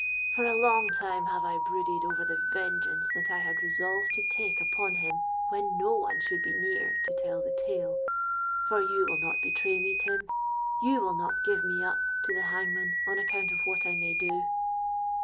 For a long time have I brooded over the vengeance that I had resolved to take upon him when no one should be near to tell the tale; for you will not betray me, Tim—you will not give me up to the hangman on account of what I may do?'